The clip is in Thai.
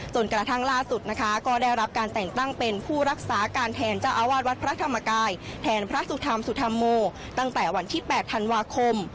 จนกระทั่งล่าสุดนะคะก็ได้รับการแต่งตั้งเป็นผู้รักษาการแทนเจ้าอาวาสวัดพระธรรมกายแทนพระสุธรรมสุธรรมโมตั้งแต่วันที่๘ธันวาคม